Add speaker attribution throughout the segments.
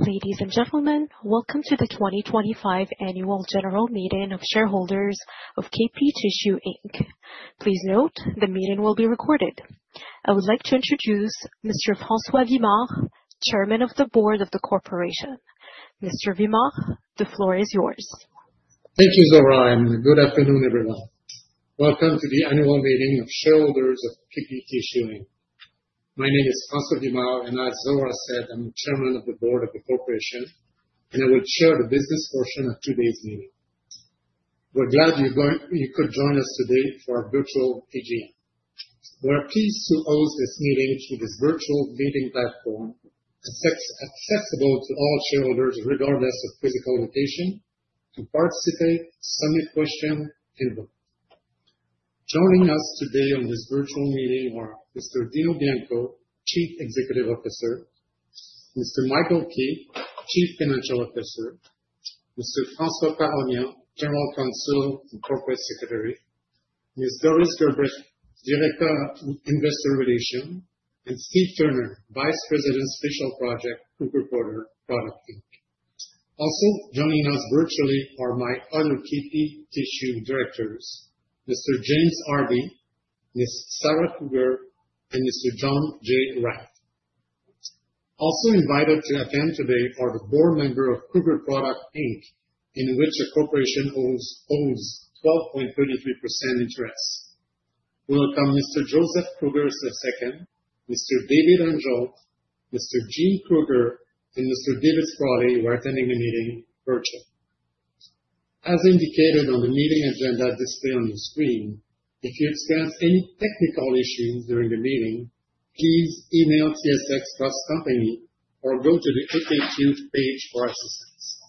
Speaker 1: Ladies and gentlemen, welcome to the 2025 annual general meeting of shareholders of KP Tissue Inc. Please note, the meeting will be recorded. I would like to introduce Mr. François Vimard, Chairman of the Board of the Corporation. Mr. Vimard, the floor is yours.
Speaker 2: Thank you, Zora, and good afternoon, everyone. Welcome to the annual meeting of shareholders of KP Tissue Inc. My name is François Vimard, and as Zora said, I'm the chairman of the board of the corporation, and I will chair the business portion of today's meeting. We're glad you could join us today for our virtual AGM. We are pleased to host this meeting through this virtual meeting platform, accessible to all shareholders, regardless of physical location, to participate, submit question, and vote. Joining us today on this virtual meeting are Mr. Dino Bianco, Chief Executive Officer, Mr. Michael Keays, Chief Financial Officer, Mr. François Paroyan, General Counsel and Corporate Secretary, Ms. Doris Grbic, Director of Investor Relations, and Steve Turner, Vice President, Special Projects, Kruger Products Inc. Also joining us virtually are my other KP Tissue directors, Mr. James Hardy, Ms. Sarah Kruger, and Mr. John “Jay” Wright. Also invited to attend today are the board members of Kruger Products Inc., in which the corporation owns a 12.33% interest. Welcome, Mr. Joseph Kruger II, Mr. David Angel, Mr. Gene Kruger, and Mr. David Spraley, who are attending the meeting virtually. As indicated on the meeting agenda displayed on your screen, if you experience any technical issues during the meeting, please email TSX Trust Company or go to the KP Tissue page for assistance.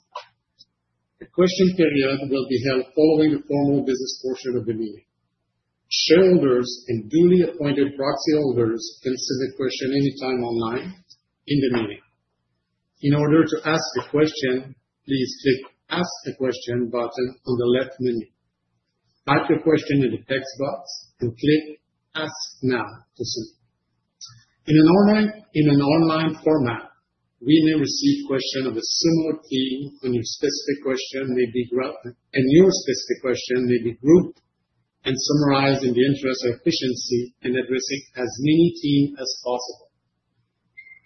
Speaker 2: A question period will be held following the formal business portion of the meeting. Shareholders and duly appointed proxyholders can send a question anytime online in the meeting. In order to ask a question, please click Ask a Question button on the left menu. Type your question in the text box and click Ask Now to submit. In an online format, we may receive questions of a similar theme, and your specific question may be grouped and summarized in the interest of efficiency in addressing as many themes as possible.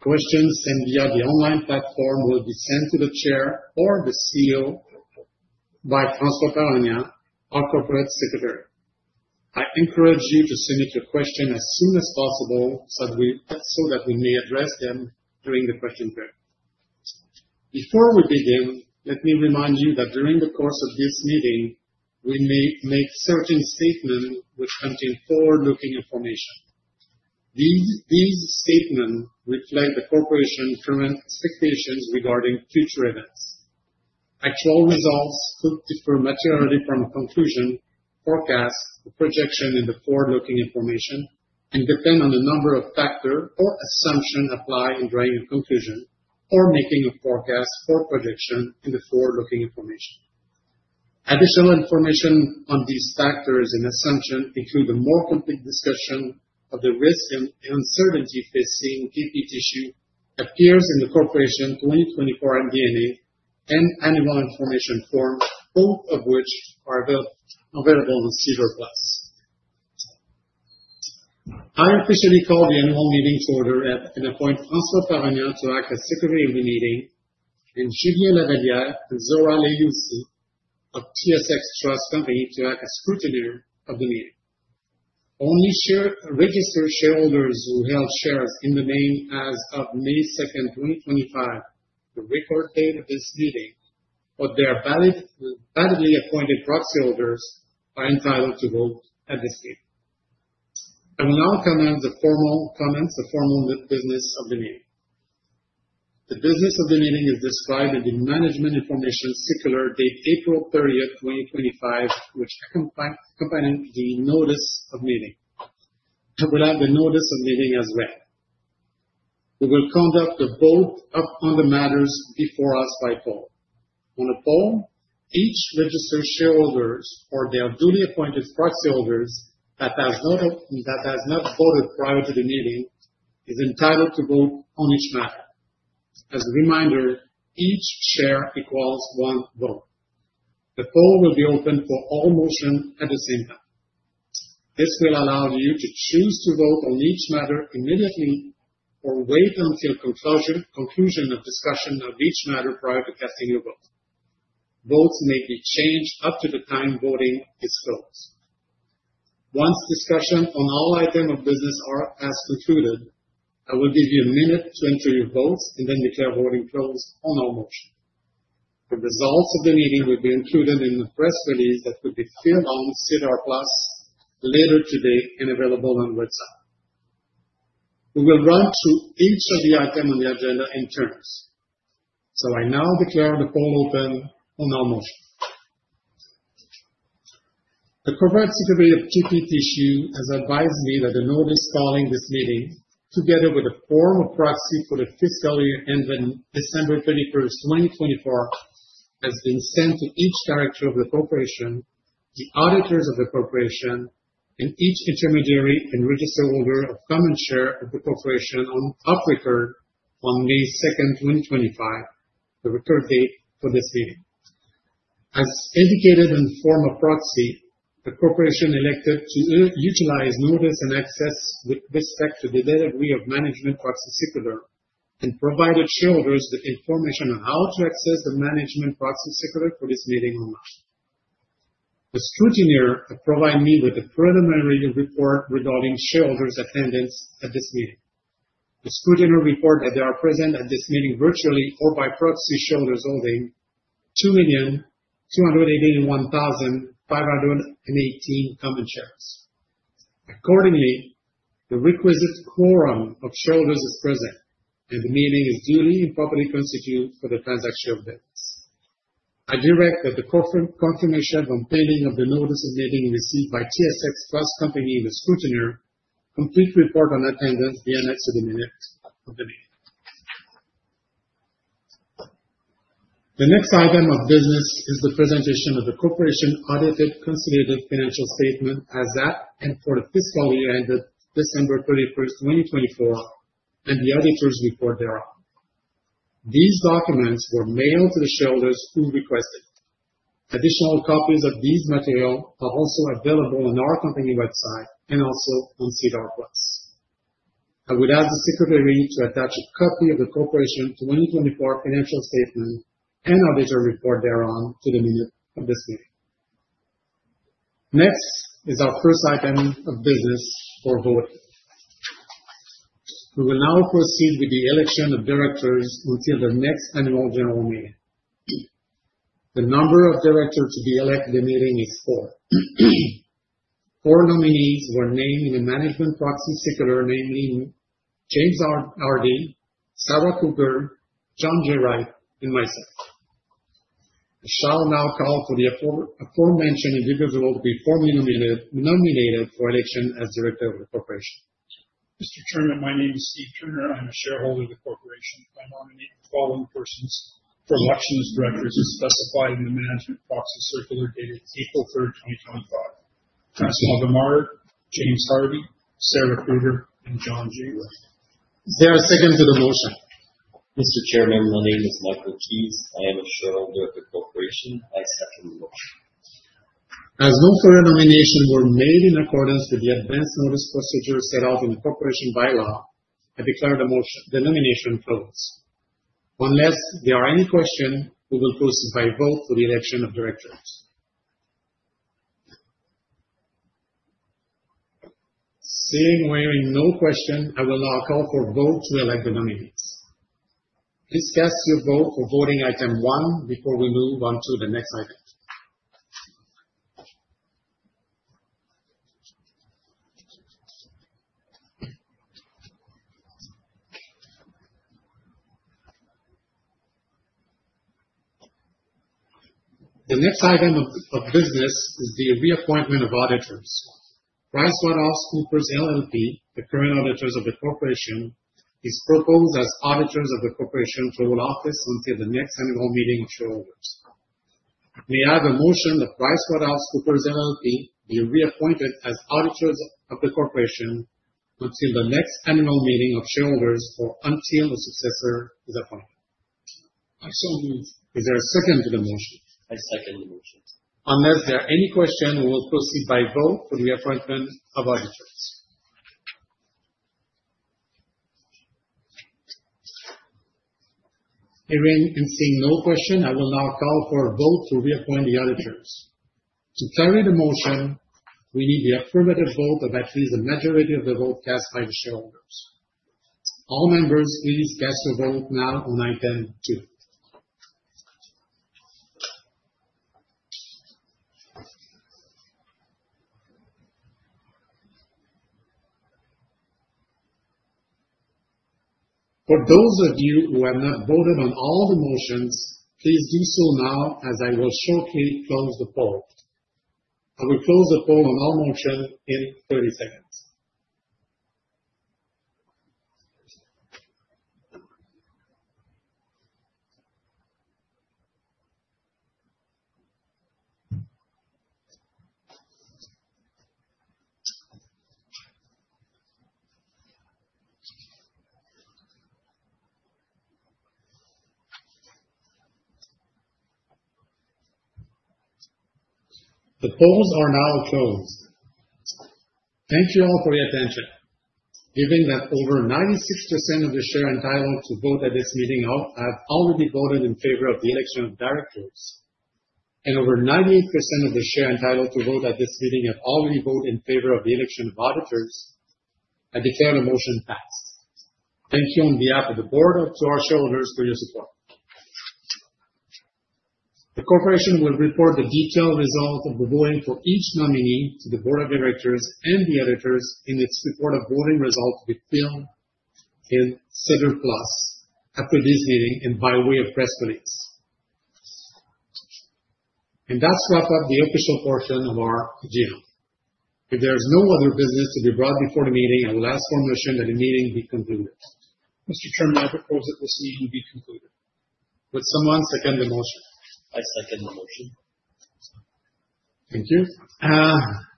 Speaker 2: Questions sent via the online platform will be sent to the chair or the CEO by François Paroyan, our corporate secretary. I encourage you to submit your question as soon as possible, so that we may address them during the question period. Before we begin, let me remind you that during the course of this meeting, we may make certain statements which contain forward-looking information. These statements reflect the corporation's current expectations regarding future events. Actual results could differ materially from the conclusion, forecast, or projection in the forward-looking information and depend on the number of factors or assumptions applied in drawing a conclusion or making a forecast or projection in the forward-looking information. Additional information on these factors and assumptions include a more complete discussion of the risks and uncertainties facing KP Tissue appears in the corporation's 2024 MD&A and annual information form, both of which are available on SEDAR+. I officially call the annual meeting to order and appoint François Paroyan to act as secretary of the meeting, and Julie Laviglia and Zora Ljubisic of TSX Trust Company to act as scrutineer of the meeting. Only share-registered shareholders who held shares in the name as of May 2, 2025, the record date of this meeting, or their validly appointed proxyholders, are entitled to vote at this meeting. I will now commence the formal comments, the formal business of the meeting. The business of the meeting is described in the management information circular, dated April 30, 2025, which accompanying the notice of meeting. It will have the notice of meeting as well. We will conduct a vote upon the matters before us by poll. On a poll, each registered shareholders or their duly appointed proxyholders that has not voted prior to the meeting, is entitled to vote on each matter. As a reminder, each share equals one vote. The poll will be open for all motions at the same time. This will allow you to choose to vote on each matter immediately or wait until conclusion of discussion of each matter prior to casting your vote. Votes may be changed up to the time voting is closed. Once discussion on all items of business are concluded, I will give you a minute to enter your votes and then declare voting closed on all motions. The results of the meeting will be included in the press release that will be filed on SEDAR+ later today and available on website. We will run through each of the items on the agenda in turn. So I now declare the poll open on all motions. The corporate secretary of KP Tissue has advised me that the notice calling this meeting, together with a formal proxy for the fiscal year ending December 31, 2024-... has been sent to each director of the corporation, the auditors of the corporation, and each intermediary and registered holder of common shares of the corporation as of record on May 2, 2025, the record date for this meeting. As indicated in the form of proxy, the corporation elected to utilize notice and access with respect to the delivery of management proxy circular, and provided shareholders the information on how to access the management proxy circular for this meeting online. The scrutineer has provided me with a preliminary report regarding shareholders' attendance at this meeting. The scrutineer reports that there are present at this meeting, virtually or by proxy, shareholders holding 2,281,518 common shares. Accordingly, the requisite quorum of shareholders is present, and the meeting is duly and properly constituted for the transaction of business. I direct that the confirmation containing of the notice of meeting received by TSX Trust Company and the scrutineer's complete report on attendance be annexed to the minutes of the meeting. The next item of business is the presentation of the corporation audited consolidated financial statement as at and for the fiscal year ended December 31, 2024, and the auditor's report thereon. These documents were mailed to the shareholders who requested. Additional copies of these materials are also available on our company website and also on SEDAR+. I would ask the secretary to attach a copy of the corporation 2024 financial statement and auditor's report thereon to the minutes of this meeting. Next is our first item of business for vote. We will now proceed with the election of directors until the next annual general meeting. The number of directors to be elected in the meeting is four. Four nominees were named in the management proxy circular, namely James Hardy, Sarah Kruger, John "Jay" Wright, and myself. I shall now call for the aforementioned individuals to be formally nominated, nominated for election as director of the corporation.
Speaker 3: Mr. Chairman, my name is Steve Turner. I'm a shareholder of the corporation. I nominate the following persons for election as directors as specified in the management proxy circular dated April 3, 2025. François Vimard, James Hardy, Sarah Kruger, and John "Jay" Wright.
Speaker 2: Is there a second to the motion?
Speaker 4: Mr. Chairman, my name is Michael Keays. I am a shareholder of the corporation. I second the motion.
Speaker 2: As no further nominations were made in accordance with the advance notice procedure set out in the corporation bylaws, I declare the motion, the nomination closed. Unless there are any questions, we will proceed by vote for the election of directors. Seeing we have no question, I will now call for a vote to elect the nominees. Please cast your vote for voting item one before we move on to the next item. The next item of business is the reappointment of auditors. PricewaterhouseCoopers LLP, the current auditors of the corporation, is proposed as auditors of the corporation to hold office until the next annual meeting of shareholders. May I have a motion that PricewaterhouseCoopers LLP be reappointed as auditors of the corporation until the next annual meeting of shareholders or until the successor is appointed?
Speaker 3: I so move.
Speaker 2: Is there a second to the motion?
Speaker 4: I second the motion.
Speaker 2: Unless there are any questions, we will proceed by vote for the appointment of auditors. Hearing and seeing no question, I will now call for a vote to reappoint the auditors. To carry the motion, we need the affirmative vote of at least a majority of the vote cast by the shareholders. All members, please cast your vote now on item two. For those of you who have not voted on all the motions, please do so now, as I will shortly close the poll. I will close the poll on all motions in 30 seconds. The polls are now closed. Thank you all for your attention. Given that over 96% of the shares entitled to vote at this meeting have already voted in favor of the election of directors, and over 98% of the shares entitled to vote at this meeting have already voted in favor of the election of auditors, I declare the motion passed. Thank you on behalf of the board to our shareholders for your support. The corporation will report the detailed results of the voting for each nominee to the board of directors and the auditors in its report of voting results filed in SEDAR+ after this meeting and by way of press release. That wraps up the official portion of our agenda. If there is no other business to be brought before the meeting, I will ask for permission that the meeting be concluded.
Speaker 3: Mr. Chairman, I propose that this meeting be concluded.
Speaker 2: Would someone second the motion?
Speaker 4: I second the motion.
Speaker 2: Thank you.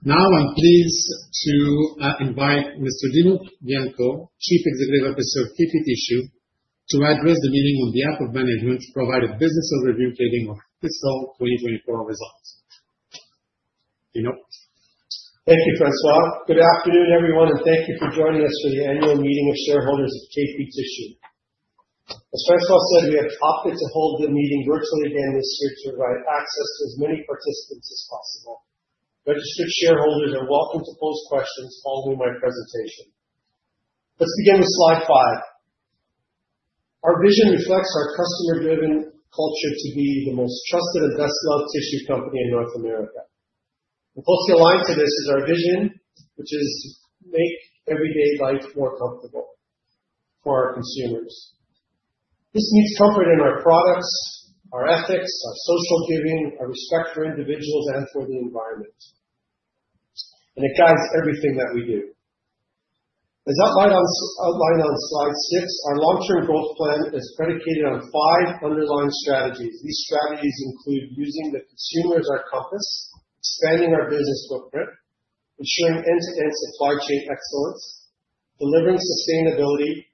Speaker 2: Now I'm pleased to invite Mr. Dino Bianco, Chief Executive Officer of KP Tissue, to address the meeting on behalf of management to provide a business overview including our fiscal 2024 results. Dino?
Speaker 5: Thank you, François. Good afternoon, everyone, and thank you for joining us for the annual meeting of shareholders of KP Tissue. As François said, we have opted to hold the meeting virtually again this year to provide access to as many participants as possible. Registered shareholders are welcome to pose questions following my presentation. Let's begin with slide five. Our vision reflects our customer-driven culture to be the most trusted and best known tissue company in North America. And closely aligned to this is our vision, which is to make everyday life more comfortable for our consumers. This means comfort in our products, our ethics, our social giving, our respect for individuals and for the environment. And it guides everything that we do. As outlined on slide six, our long-term growth plan is predicated on five underlying strategies. These strategies include using the consumer as our compass, expanding our business footprint, ensuring end-to-end supply chain excellence, delivering sustainability,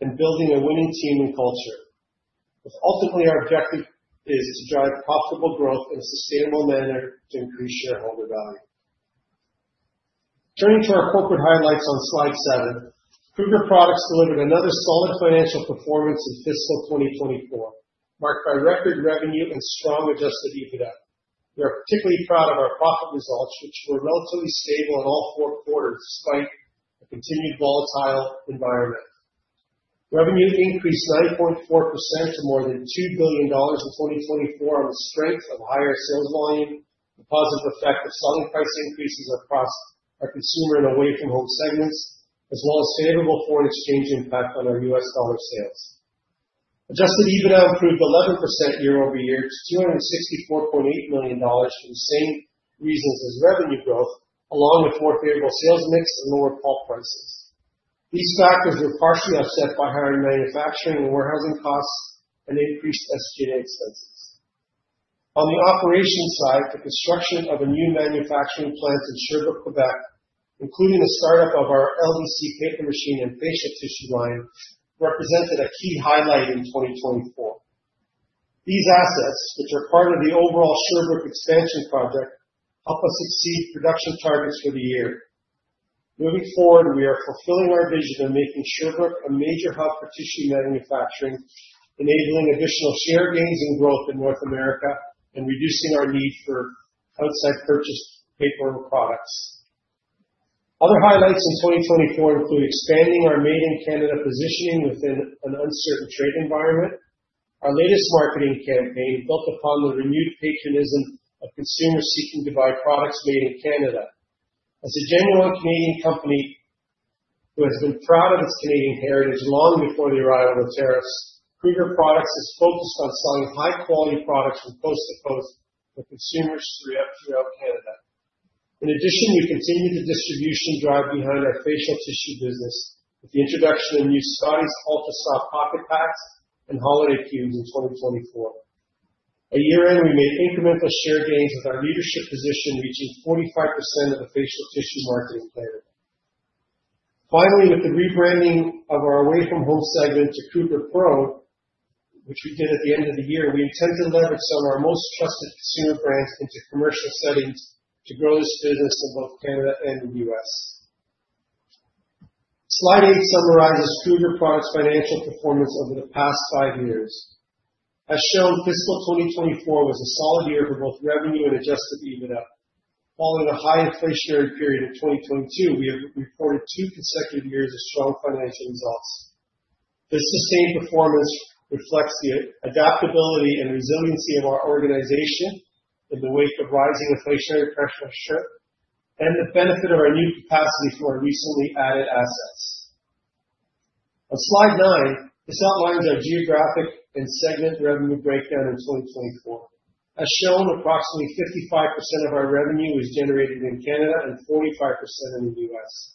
Speaker 5: and building a winning team and culture. But ultimately, our objective is to drive profitable growth in a sustainable manner to increase shareholder value. Turning to our corporate highlights on slide seven, Kruger Products delivered another solid financial performance in fiscal 2024, marked by record revenue and strong Adjusted EBITDA. We are particularly proud of our profit results, which were relatively stable in all four quarters, despite a continued volatile environment. Revenue increased 9.4% to more than 2 billion dollars in 2024 on the strength of higher sales volume, the positive effect of selling price increases across our consumer and away-from-home segments, as well as favorable foreign exchange impact on our U.S. dollar sales. Adjusted EBITDA improved 11% year-over-year to 264.8 million dollars for the same reasons as revenue growth, along with more favorable sales mix and lower pulp prices. These factors were partially offset by higher manufacturing and warehousing costs and increased SG&A expenses. On the operation side, the construction of a new manufacturing plant in Sherbrooke, Quebec, including the startup of our LDC paper machine and facial tissue line, represented a key highlight in 2024. These assets, which are part of the overall Sherbrooke expansion project, help us exceed production targets for the year. Moving forward, we are fulfilling our vision and making Sherbrooke a major hub for tissue manufacturing, enabling additional share gains and growth in North America and reducing our need for outside purchased paper and products. Other highlights in 2024 include expanding our Made in Canada positioning within an uncertain trade environment. Our latest marketing campaign built upon the renewed patriotism of consumers seeking to buy products made in Canada. As a genuine Canadian company who has been proud of its Canadian heritage long before the arrival of tariffs, Kruger Products is focused on selling high quality products from coast to coast for consumers throughout Canada. In addition, we continued the distribution drive behind our facial tissue business with the introduction of new Scotties Ultra Soft Pocket Packs and holiday SKUs in 2024. A year in, we made incremental share gains with our leadership position, reaching 45% of the facial tissue market in Canada. Finally, with the rebranding of our away-from-home segment to Kruger PRO, which we did at the end of the year, we intend to leverage some of our most trusted consumer brands into commercial settings to grow this business in both Canada and the U.S. Slide eight summarizes Kruger Products' financial performance over the past five years. As shown, fiscal 2024 was a solid year for both revenue and adjusted EBITDA. Following a high inflationary period in 2022, we have reported two consecutive years of strong financial results. This sustained performance reflects the adaptability and resiliency of our organization in the wake of rising inflationary pressure and the benefit of our new capacity for our recently added assets. On slide nine, this outlines our geographic and segment revenue breakdown in 2024. As shown, approximately 55% of our revenue was generated in Canada and 45% in the U.S..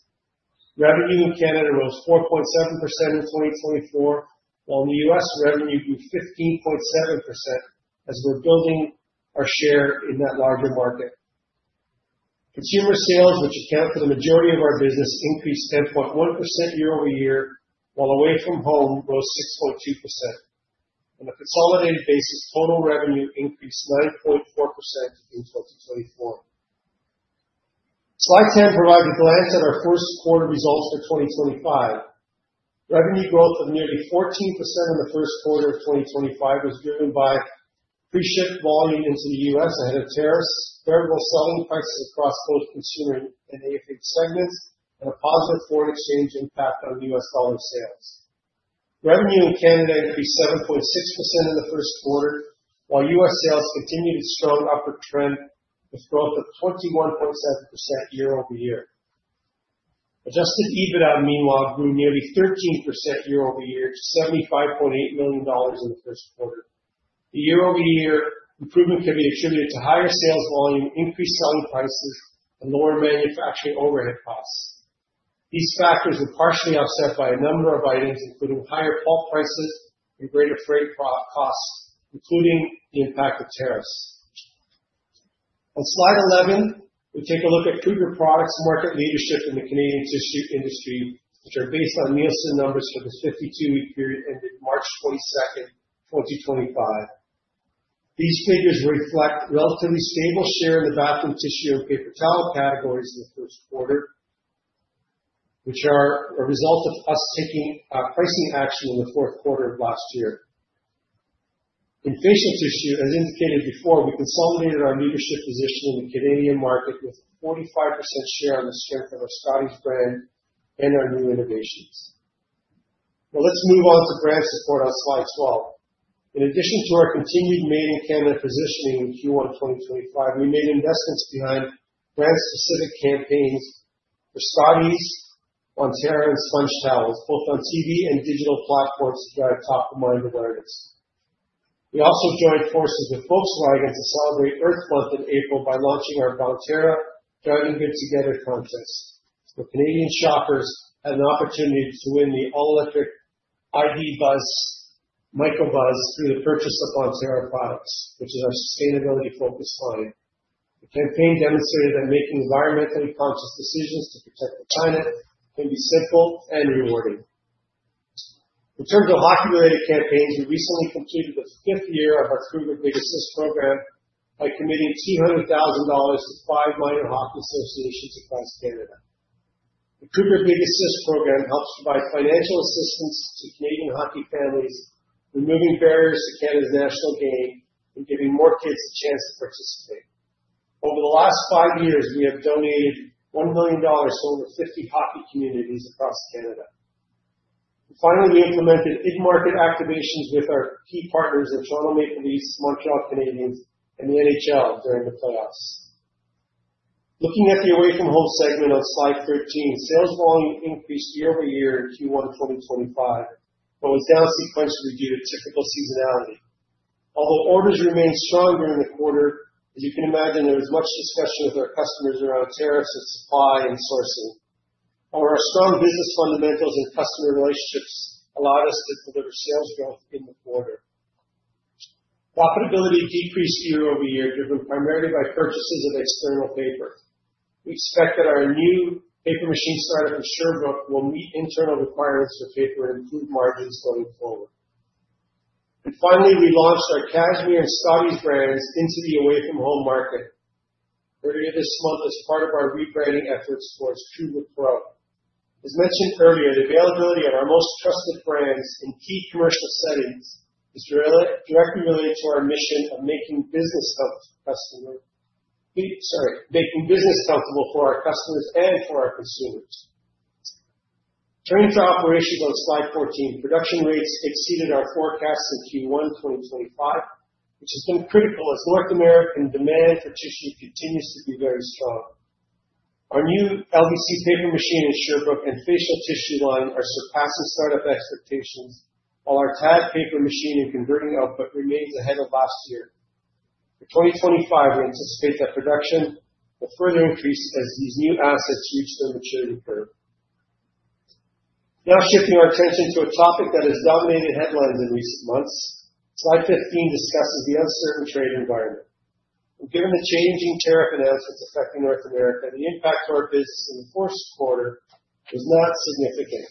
Speaker 5: Revenue in Canada rose 4.7% in 2024, while in the U.S., revenue grew 15.7% as we're building our share in that larger market. Consumer sales, which account for the majority of our business, increased 10.1% year over year, while away from home rose 6.2%. On a consolidated basis, total revenue increased 9.4% in 2024. Slide 10 provide a glance at our first quarter results for 2025. Revenue growth of nearly 14% in the first quarter of 2025 was driven by pre-ship volume into the U.S. ahead of tariffs, favorable selling prices across both consumer and AFH segments, and a positive foreign exchange impact on U.S. dollar sales. Revenue in Canada increased 7.6% in the first quarter, while U.S. sales continued its strong upward trend with growth of 21.7% year-over-year. Adjusted EBITDA, meanwhile, grew nearly 13% year-over-year to CAD 75.8 million in the first quarter. The year-over-year improvement can be attributed to higher sales volume, increased selling prices, and lower manufacturing overhead costs. These factors were partially offset by a number of items, including higher pulp prices and greater freight pro- costs, including the impact of tariffs. On slide 11, we take a look at Kruger Products market leadership in the Canadian tissue industry, which are based on Nielsen numbers for the 52-week period ending March 22, 2025. These figures reflect relatively stable share of the bathroom tissue and paper towel categories in the first quarter, which are a result of us taking pricing action in the fourth quarter of last year. In facial tissue, as indicated before, we consolidated our leadership position in the Canadian market with a 45% share on the strength of our Scotties brand and our new innovations. Now let's move on to brand support on slide 12. In addition to our continued Made in Canada positioning in Q1 2025, we made investments behind brand-specific campaigns for Scotties, Bonterra, and SpongeTowels, both on TV and digital platforms to drive top-of-mind awareness. We also joined forces with Volkswagen to celebrate Earth Month in April by launching our Bonterra Driving Good Together contest, where Canadian shoppers had an opportunity to win the all-electric ID. Buzz Microbus through the purchase of Bonterra products, which is our sustainability-focused line. The campaign demonstrated that making environmentally conscious decisions to protect the planet can be simple and rewarding. In terms of hockey-related campaigns, we recently completed the fifth year of our Kruger Big Assist program by committing 200,000 dollars to five minor hockey associations across Canada. The Kruger Big Assist program helps provide financial assistance to Canadian hockey families, removing barriers to Canada's national game and giving more kids the chance to participate. Over the last five years, we have donated 1 million dollars to over 50 hockey communities across Canada. And finally, we implemented in-market activations with our key partners, the Toronto Maple Leafs, Montreal Canadiens, and the NHL during the playoffs. Looking at the away-from-home segment on slide 13, sales volume increased year-over-year in Q1 2025, but was down sequentially due to typical seasonality. Although orders remained stronger in the quarter, as you can imagine, there was much discussion with our customers around tariffs and supply and sourcing. However, our strong business fundamentals and customer relationships allowed us to deliver sales growth in the quarter. Profitability decreased year-over-year, driven primarily by purchases of external paper. We expect that our new paper machine startup in Sherbrooke will meet internal requirements for paper and improve margins going forward. And finally, we launched our Cashmere and Scotties brands into the away-from-home market earlier this month as part of our rebranding efforts towards Kruger PRO. As mentioned earlier, the availability of our most trusted brands in key commercial settings is directly related to our mission of making business comfortable for our customers and for our consumers. Turning to operations on slide 14, production rates exceeded our forecast in Q1 2025, which has been critical as North American demand for tissue continues to be very strong. Our new LDC paper machine in Sherbrooke and facial tissue line are surpassing startup expectations, while our TAD paper machine and converting output remains ahead of last year. For 2025, we anticipate that production will further increase as these new assets reach their maturity curve. Now shifting our attention to a topic that has dominated headlines in recent months. Slide 15 discusses the uncertain trade environment. Given the changing tariff announcements affecting North America, the impact to our business in the fourth quarter was not significant.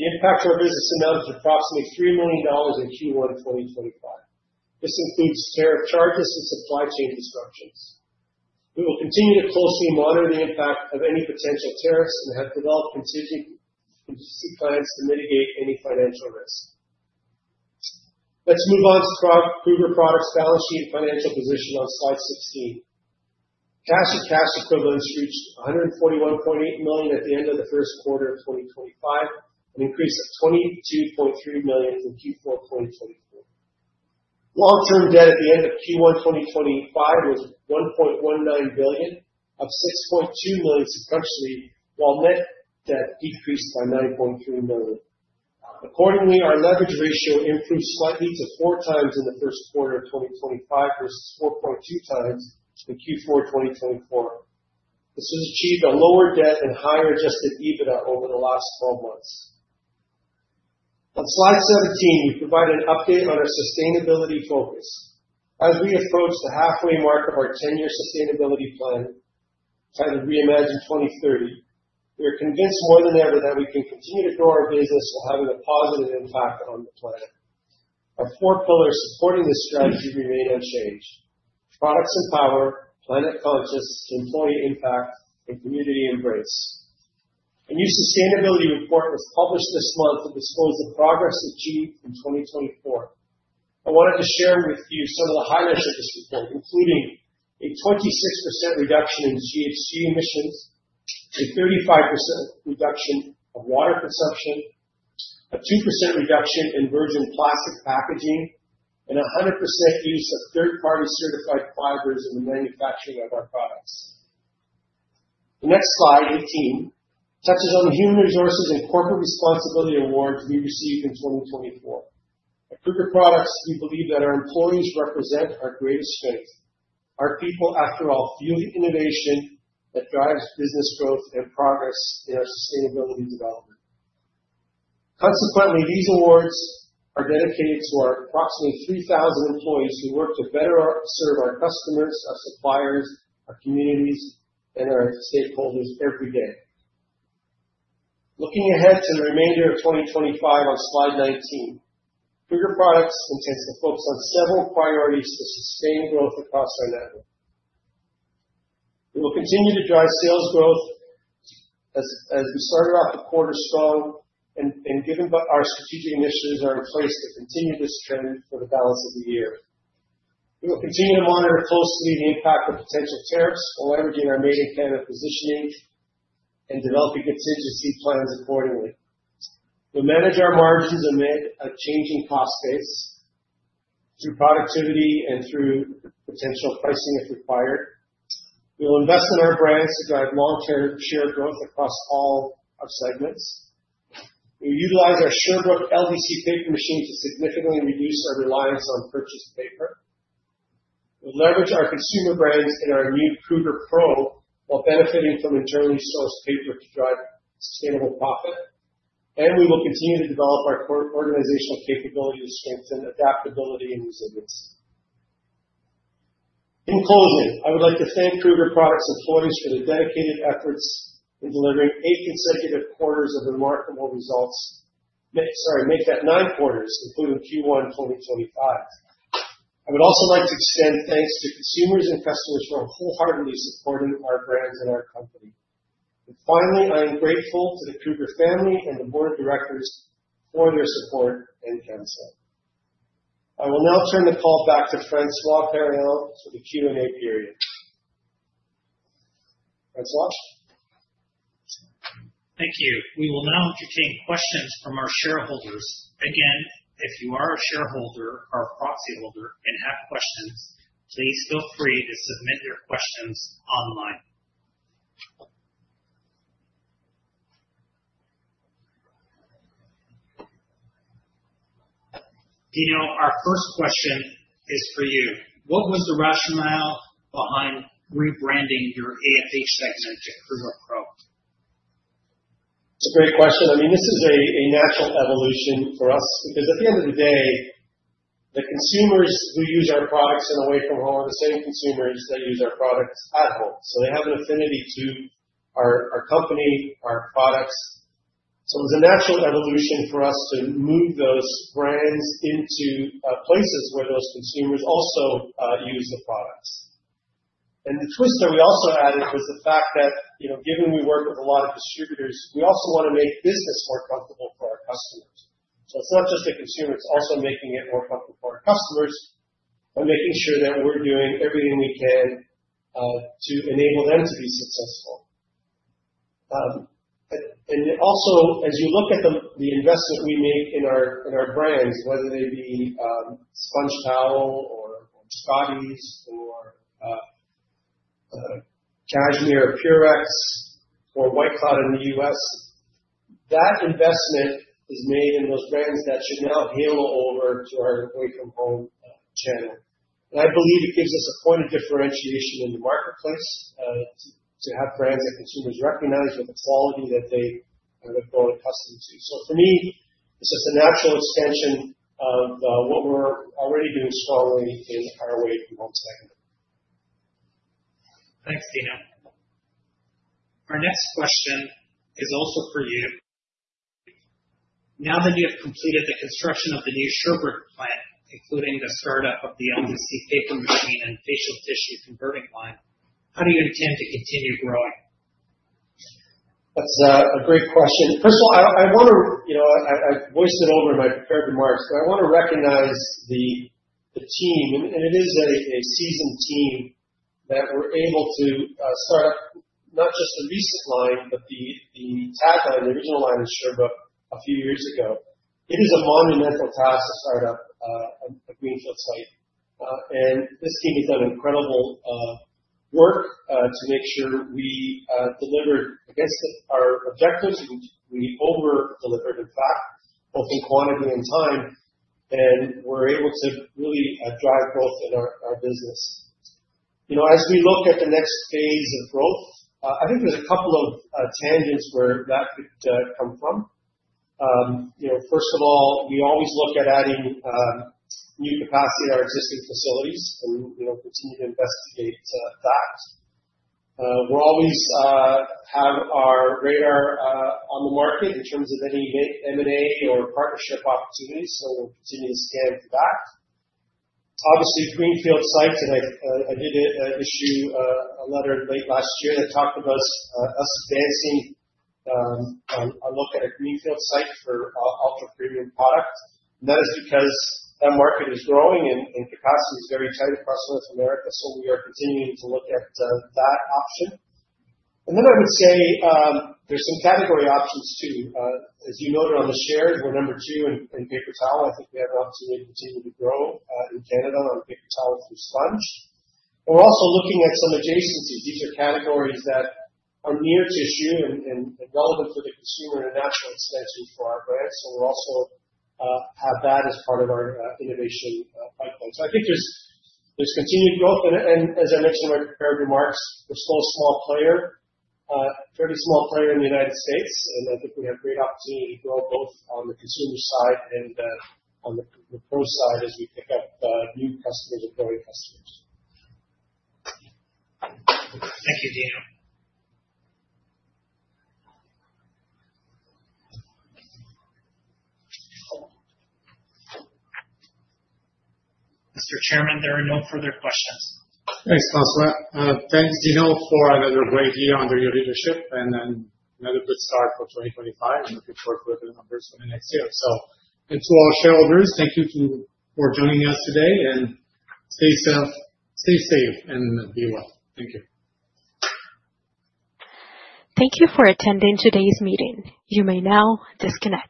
Speaker 5: The impact to our business amounts to approximately 3 million dollars in Q1 2025. This includes tariff charges and supply chain disruptions. We will continue to closely monitor the impact of any potential tariffs and have developed contingency plans to mitigate any financial risk. Let's move on to Kruger Products' balance sheet and financial position on slide 16. Cash and cash equivalents reached 141.8 million at the end of the first quarter of 2025, an increase of 22.3 million from Q4 2024. Long-term debt at the end of Q1 2025 was CAD 1.19 billion, up 6.2 million sequentially, while net debt decreased by 9.3 million. Accordingly, our leverage ratio improved slightly to 4x in the first quarter of 2025 versus 4.2x in Q4 2024. This has achieved a lower debt and higher Adjusted EBITDA over the last 12 months. On slide 17, we provide an update on our sustainability focus. As we approach the halfway mark of our 10-year sustainability plan, titled Reimagine 2030, we are convinced more than ever that we can continue to grow our business while having a positive impact on the planet. Our four pillars supporting this strategy remain unchanged: Products Empower, Planet Conscious, Employee Impact, and Community Embrace. A new sustainability report was published this month that disclosed the progress achieved in 2024. I wanted to share with you some of the highlights of this report, including a 26% reduction in GHG emissions, a 35% reduction of water consumption, a 2% reduction in virgin plastic packaging and a 100% use of third-party certified fibers in the manufacturing of our products. The next slide, 18, touches on the human resources and corporate responsibility awards we received in 2024. At Kruger Products, we believe that our employees represent our greatest strength. Our people, after all, fuel the innovation that drives business growth and progress in our sustainability development. Consequently, these awards are dedicated to our approximately 3,000 employees who work to serve our customers, our suppliers, our communities, and our stakeholders every day. Looking ahead to the remainder of 2025 on slide 19, Kruger Products intends to focus on several priorities to sustain growth across our network. We will continue to drive sales growth as we started off the quarter strong and given by our strategic initiatives are in place to continue this trend for the balance of the year. We will continue to monitor closely the impact of potential tariffs while leveraging our made in Canada positioning and developing contingency plans accordingly. We'll manage our margins amid a changing cost base through productivity and through potential pricing, if required. We will invest in our brands to drive long-term share growth across all our segments. We utilize our Sherbrooke LDC paper machine to significantly reduce our reliance on purchased paper. We'll leverage our consumer brands and our new Kruger PRO, while benefiting from internally sourced paper to drive sustainable profit. We will continue to develop our core organizational capabilities, strengths, and adaptability, and resilience. In closing, I would like to thank Kruger Products employees for their dedicated efforts in delivering nine consecutive quarters of remarkable results, including Q1 2025. I would also like to extend thanks to consumers and customers for wholeheartedly supporting our brands and our company. Finally, I am grateful to the Kruger family and the board of directors for their support and counsel. I will now turn the call back to François Paroyan for the Q&A period. François?
Speaker 6: Thank you. We will now entertain questions from our shareholders. Again, if you are a shareholder or a proxy holder and have questions, please feel free to submit your questions online. Dino, our first question is for you: What was the rationale behind rebranding your AFH segment to Kruger PRO?
Speaker 5: It's a great question. I mean, this is a natural evolution for us because at the end of the day, the consumers who use our products in away from home are the same consumers that use our products at home. So they have an affinity to our, our company, our products. So it's a natural evolution for us to move those brands into places where those consumers also use the products. And the twist that we also added was the fact that, you know, given we work with a lot of distributors, we also want to make business more comfortable for our customers. So it's not just the consumer, it's also making it more comfortable for our customers and making sure that we're doing everything we can to enable them to be successful. Also, as you look at the investment we make in our brands, whether they be SpongeTowels or Scotties or Cashmere, Purex, or White Cloud in the U.S., that investment is made in those brands that should now halo over to our away-from-home channel. And I believe it gives us a point of differentiation in the marketplace to have brands that consumers recognize with the quality that they are going to grow accustomed to. So for me, this is a natural extension of what we're already doing strongly in our away-from-home segment.
Speaker 6: Thanks, Dino. Our next question is also for you. Now that you have completed the construction of the new Sherbrooke plant, including the startup of the LDC paper machine and facial tissue converting line, how do you intend to continue growing?
Speaker 5: That's a great question. First of all, I wanna, you know, I voiced it over in my prepared remarks, but I want to recognize the team, and it is a seasoned team that we're able to start, not just the recent line, but the TAD line, the original line in Sherbrooke a few years ago. It is a monumental task to start up a greenfield site, and this team has done incredible work to make sure we delivered against our objectives. We over-delivered, in fact, both in quantity and time, and we're able to really drive growth in our business. You know, as we look at the next phase of growth, I think there's a couple of tangents where that could come from. You know, first of all, we always look at adding new capacity at our existing facilities, and we will continue to investigate that. We're always have our radar on the market in terms of any M&A or partnership opportunities, so we'll continue to scan for that. Obviously, greenfield sites, and I did issue a letter late last year that talked about us advancing a look at a greenfield site for ultra-premium products. And that is because that market is growing and capacity is very tight across North America, so we are continuing to look at that option. Another, I would say, there's some category options, too. As you noted on the shares, we're number two in paper towel. I think we have an opportunity to continue to grow in Canada on paper towel through Sponge. We're also looking at some adjacencies. These are categories that are near tissue and relevant for the consumer and a natural extension for our brands. So we're also have that as part of our innovation pipeline. So I think there's continued growth, and as I mentioned in my prepared remarks, we're still a small player pretty small player in the United States, and I think we have great opportunity to grow both on the consumer side and on the pro side as we pick up new customers and growing customers.
Speaker 6: Thank you, Dino. Mr. Chairman, there are no further questions.
Speaker 2: Thanks, François. Thanks, Dino, for another great year under your leadership and then another good start for 2025. I'm looking forward to the numbers for the next year. And to all shareholders, thank you for joining us today and stay safe, stay safe and be well. Thank you.
Speaker 1: Thank you for attending today's meeting. You may now disconnect.